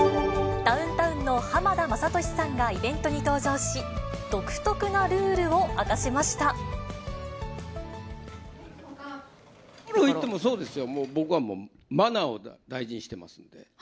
ダウンタウンの浜田雅功さんがイベントに登場し、独特なルールをゴルフ行ってもそうですよ、僕はもう、マナーを大事にしてますので。